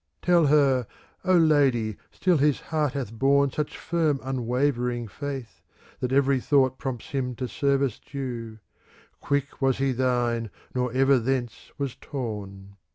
Tell her, " O Lady, still his heart hath borne ^^ Such firm unwavering faith, That every thought prompts him to service due; Quick was he thine, nor ever thence was ■ torn."